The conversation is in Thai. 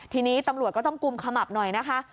ทีนี้ตำรวจก็ต้องกุมขมับหน่อยนะคะ